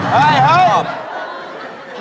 เฮ่ยเฮ่ย